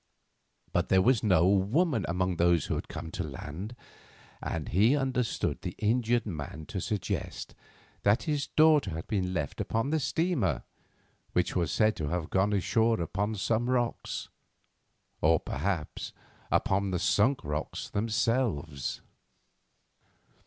But there was no woman among those who had come to land, and he understood the injured man to suggest that his daughter had been left upon the steamer which was said to have gone ashore upon some rocks; or, perhaps, upon the Sunk Rocks themselves.